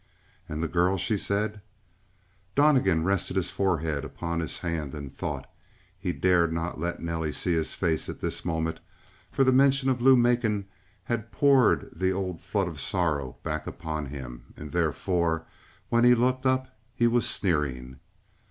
"And the girl?" she said. Donnegan rested his forehead upon his hand in thought. He dared not let Nelly see his face at this moment, for the mention of Lou Macon had poured the old flood of sorrow back upon him And therefore, when he looked up, he was sneering.